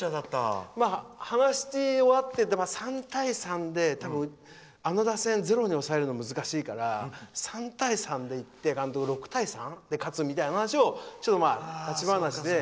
話し終わって、３対３であの打線をゼロに抑えるのは難しいから監督、６対３で勝つみたいな話をちょっと、立ち話で。